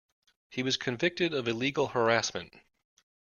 He was convicted of illegal harassment.